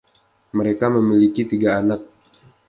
Mereka memiliki tiga anak.